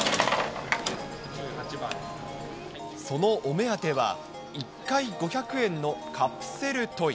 そのお目当ては、１回５００円のカプセルトイ。